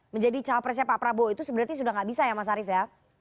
menjadi capresnya pak prabowo itu sudah tidak bisa ya mas arief ya